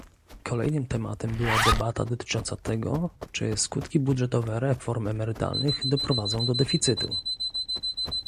Kolejnym tematem była debata dotycząca tego, czy skutki budżetowe reform emerytalnych doprowadzą do deficytu